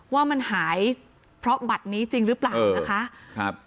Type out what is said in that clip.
ว่ามันหายเพราะบัตรนี้จริงหรือเปล่านะคะครับ